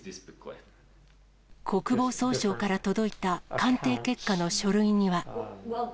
国防総省から届いた鑑定結果の書類には。